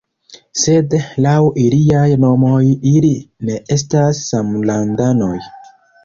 Sed laŭ iliaj nomoj ili ne estas samlandanoj!